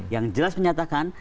yang jelas menyatakan